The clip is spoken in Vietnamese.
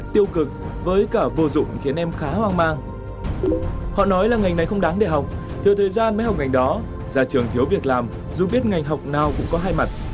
theo thời gian mới học ngành đó gia trường thiếu việc làm dù biết ngành học nào cũng có hai mặt